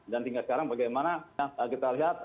dan tingkat sekarang bagaimana kita lihat